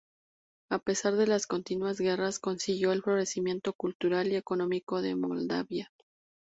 A pesar de las continuas guerras, consiguió el florecimiento cultural y económico de Moldavia.